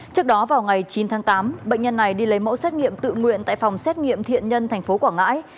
trước đó vào ngày chín tháng tám bệnh nhân này đi lấy mẫu xét nghiệm tự nguyện tại phòng xét nghiệm thiện nhân tp quảng ngãi